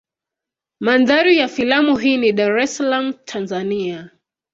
Mandhari ya filamu hii ni Dar es Salaam Tanzania.